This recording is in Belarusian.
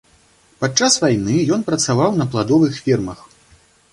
Падчас вайны ён працаваў на пладовых фермах.